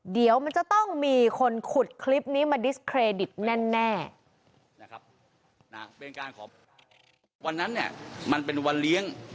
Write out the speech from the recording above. เดี๋ยวมันจะต้องมีคนขุดคลิปนี้มาดิสเครดิตแน่